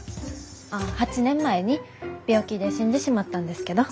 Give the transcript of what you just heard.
あ８年前に病気で死んでしまったんですけど。